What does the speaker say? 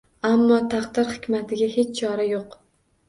Ammo taqdir hikmatiga hech chora yo‘q